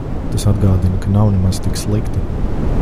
Tas atgādina, ka nav nemaz tik slikti.